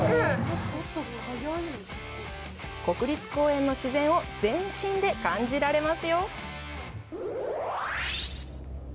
国立公園の自然を全身で感じられますよ！